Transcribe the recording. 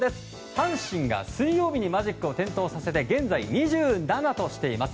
阪神が水曜日にマジックを点灯させて現在、２７としています。